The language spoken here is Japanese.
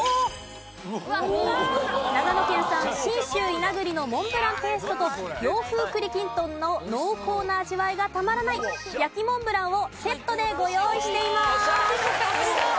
長野県産信州伊那栗のモンブランペーストと洋風栗きんとんの濃厚な味わいがたまらない焼きモンブランをセットでご用意しています。